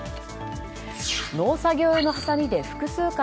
農作業用のはさみで複数回